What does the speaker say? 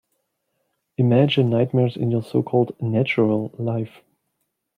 Imagine nightmares in your so called "Natural" life.